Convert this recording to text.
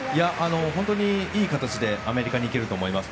本当にいい形でアメリカに行けると思います。